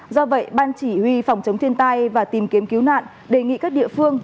do vậy ban chỉ huy phòng chống thiên tai và tìm kiếm cứu nạn đề nghị các địa phương